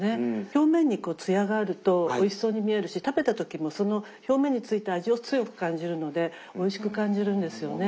表面に艶があるとおいしそうに見えるし食べた時もその表面についた味を強く感じるのでおいしく感じるんですよね。